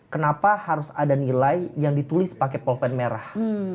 kenapa harus ada nilai yang ditulis pakai polpen merah